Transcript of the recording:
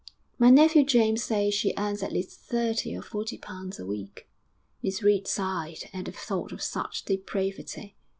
'My nephew James says she earns at least thirty or forty pounds a week.' Miss Reed sighed at the thought of such depravity.